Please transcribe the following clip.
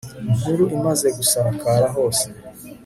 inkuru imaze gusakara hose